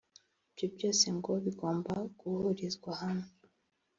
Ibyo byose ngo bigomba guhurizwa hamwe